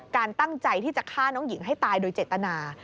การตั้งใจที่จะฆ่าน้องหญิงให้ตายโดยเจตนา